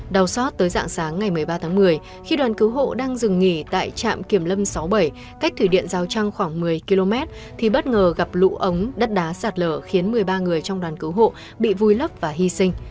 đau xót tới dạng sáng ngày một mươi ba tháng một mươi khi đoàn cứu hộ đang dừng nghỉ tại trạm kiểm lâm sáu mươi bảy cách thủy điện giao trang khoảng một mươi km thì bất ngờ gặp lũ ống đất đá sạt lở khiến một mươi ba người trong đoàn cứu hộ bị vùi lấp và hy sinh